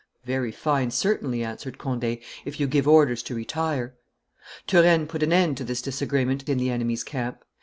'Very fine, certainly,' answered Conde, 'if you give orders to retire.' Turenne put an end to this disagreement in the enemy's camp.